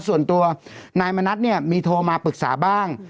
ส่วนตัวนายมณัฐเนี่ยมีโทรมาปรึกษาบ้าง